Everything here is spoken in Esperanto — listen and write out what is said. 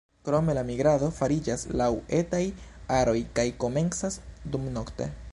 Krome la migrado fariĝas laŭ etaj aroj kaj komencas dumnokte.